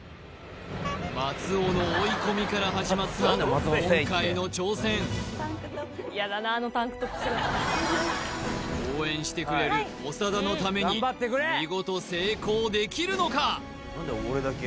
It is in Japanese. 松尾の追い込みから始まった今回の挑戦応援してくれる見事成功できるのか？